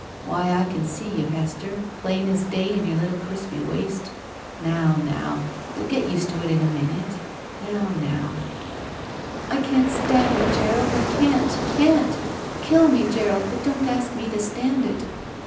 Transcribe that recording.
Why I can see you, Hester. Plain as day in your little crispy waist. Now, now! You'll get used to it in a minute. Now — ^now —" "I can't stand it, Gerald! I can't! Can't! Kill me, Gerald, but don't ask me to stand it!"